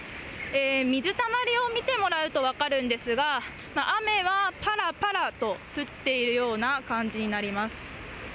水たまりを見てもらうと分かるんですが、雨はぱらぱらと降っているような感じになります。